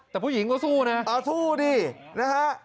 แต่ผู้หญิงก็สู้นะเอาสู้ดินะฮะ